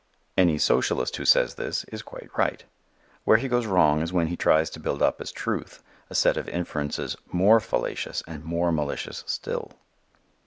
Any socialist who says this, is quite right. Where he goes wrong is when he tries to build up as truth a set of inferences more fallacious and more malicious still.